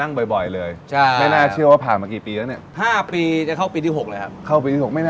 ตั้งบ่อยเลยไม่น่าเชื่อว่าผ่านมากี่ปีแล้วเนี่ย